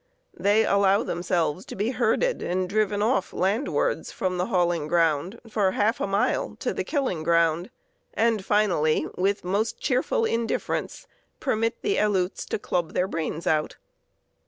They allow themselves to be herded and driven off landwards from the hauling ground for half a mile to the killing ground, and, finally, with most cheerful indifference, permit the Aleuts to club their brains out.